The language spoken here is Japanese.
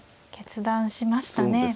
決断しましたね。